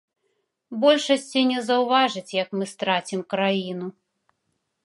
Большасць і не заўважыць, як мы страцім краіну.